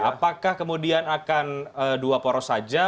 apakah kemudian akan dua poros saja